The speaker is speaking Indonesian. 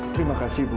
terima kasih bu